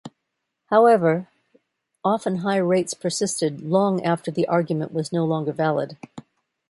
However, often high rates persisted long after the argument was no longer valid.